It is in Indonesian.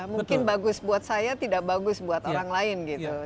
mungkin bagus buat saya tidak bagus buat orang lain gitu